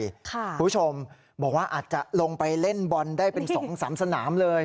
คุณผู้ชมบอกว่าอาจจะลงไปเล่นบอลได้เป็น๒๓สนามเลย